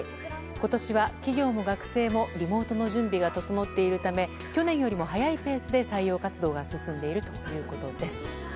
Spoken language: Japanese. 今年は、企業も学生もリモートの準備が整っているため去年よりも速いペースで採用活動が進んでいるということです。